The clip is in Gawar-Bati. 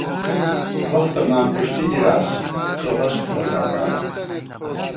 وختہ ماں پِݭٹی گِراس ، څو ہَس تھووَہ ڈاکا رتئ